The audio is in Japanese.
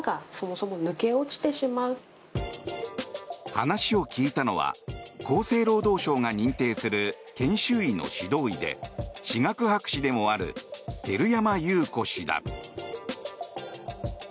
話を聞いたのは厚生労働省が認定する研修医の指導医で歯学博士でもある照山裕子氏だ。